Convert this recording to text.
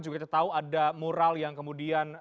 juga kita tahu ada mural yang kemudian